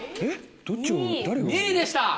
２位でした。